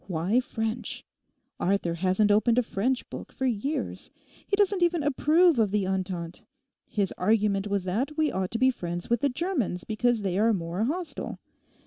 "Why French?" Arthur hasn't opened a French book for years. He doesn't even approve of the entente_. His argument was that we ought to be friends with the Germans because they are more hostile.